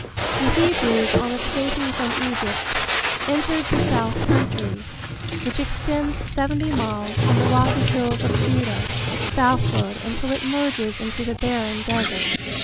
The Hebrews on escaping from Egypt entered the South Country, which extends seventy miles from the rocky hills of Judah southward until it merges into the barren desert.